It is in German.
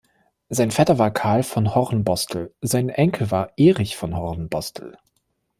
Sein Vetter war Carl von Hornbostel, sein Enkel war Erich von Hornbostel.